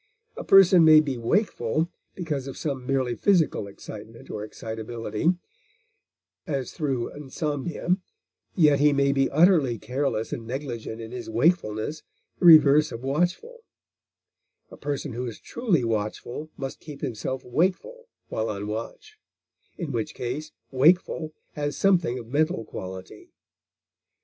A person may be wakeful because of some merely physical excitement or excitability, as through insomnia; yet he may be utterly careless and negligent in his wakefulness, the reverse of watchful; a person who is truly watchful must keep himself wakeful while on watch, in which case wakeful has something of mental quality.